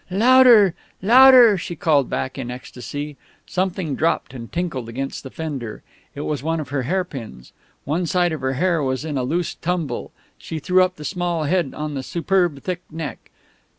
"Louder, louder!" she called back in an ecstasy. Something dropped and tinkled against the fender. It was one of her hairpins. One side of her hair was in a loose tumble; she threw up the small head on the superb thick neck.